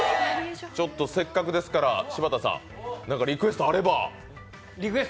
せっかくですから柴田さん、何かリクエストあれば？